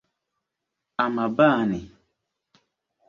A ma baa ni?